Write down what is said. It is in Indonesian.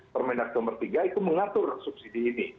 permendag no tiga itu mengatur subsidi ini